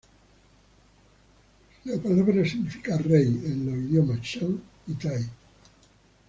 La palabra significa "rey" en los idiomas Shan y Tai.